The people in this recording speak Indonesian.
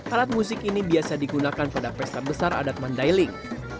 alat musik ini biasa digunakan pada pesta besar adat mandailing